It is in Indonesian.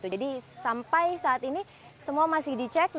jadi sampai saat ini semua masih diberikan